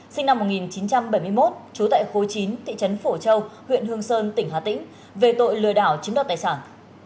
sinh năm một nghìn chín trăm bảy mươi một trú tại khối chín thị trấn phổ châu huyện hương sơn tỉnh hà tĩnh về tội lừa đảo chiếm đoạt tài sản